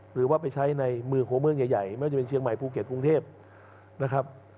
หรือว่าไปใช้ในมือของเมืองใหญ่ไม่ว่าจะเป็นเชียงใหม่ภูเก็ตกรุงเทพนะครับ